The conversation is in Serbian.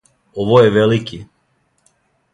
Ово је велики.